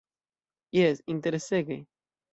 Jes, interesege.